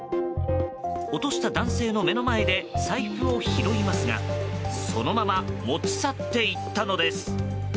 落とした男性の目の前で財布を拾いますがそのまま持ち去っていったのです。